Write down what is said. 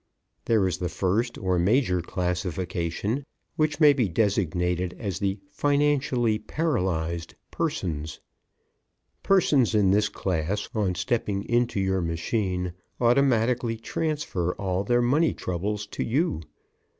There is the first, or major, classification, which may be designated as the Financially Paralyzed. Persons in this class, on stepping into your machine, automatically transfer all their money troubles to you.